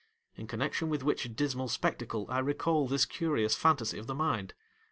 In connexion with which dismal spectacle, I recal this curious fantasy of the mind.